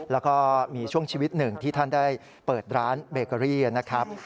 แล้วก็มีช่วงชีวิตหนึ่งที่ท่านได้เปิดร้านเบเกอรี่นะครับ